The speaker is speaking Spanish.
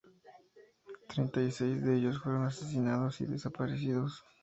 Treinta y seis de ellos fueron asesinados y desaparecidos.